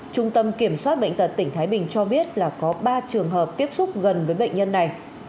trung tâm kiểm soát bệnh tật tỉnh thái bình cho biết là có ba trường hợp tiếp xúc gần với bệnh nhân này